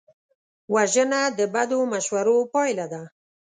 وژنه د بدو مشورو پایله ده